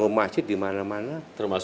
termasuk di balai kota